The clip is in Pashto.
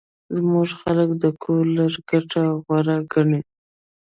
زموږ خلک د کور لږه ګټه غوره ګڼي